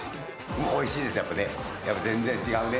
おいしいですよ、やっぱね。